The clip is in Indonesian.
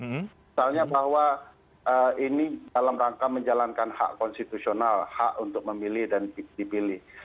misalnya bahwa ini dalam rangka menjalankan hak konstitusional hak untuk memilih dan dipilih